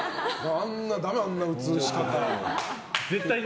ダメ、あんな映し方。